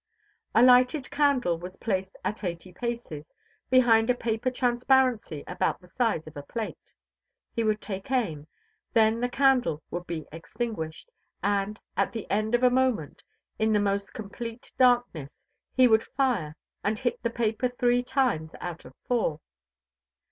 A lighted candle was placed at eighty paces, behind a paper transparency about the size of a plate. He would take aim, then the candle would be extinguished, and, at the end of a moment, in the most complete darkness, he would fire and hit the paper three times out of four.